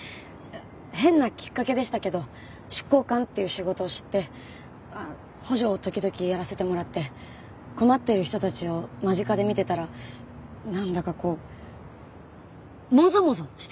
変なきっかけでしたけど執行官っていう仕事を知って補助を時々やらせてもらって困っている人たちを間近で見てたらなんだかこうもぞもぞしてきたんです。